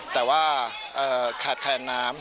แต่ว่าขาดแคลนน้ำ